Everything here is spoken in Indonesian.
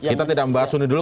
kita tidak mbak suni dulu